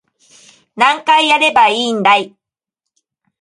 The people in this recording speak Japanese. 何回やればいいんだい